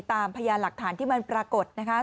พยานหลักฐานที่มันปรากฏนะคะ